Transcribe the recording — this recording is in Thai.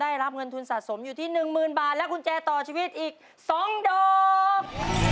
ได้รับเงินทุนสะสมอยู่ที่๑๐๐๐บาทและกุญแจต่อชีวิตอีก๒ดอก